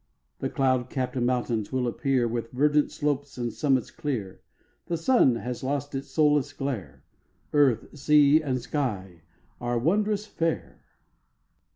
The cloud capped mountains all appear With verdant slopes and summits clear; The sun has lost its soulless glare— Earth, sea and sky are wondrous fair.